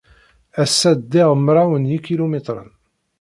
Ass-a, ddiɣ mraw n yikilumitren.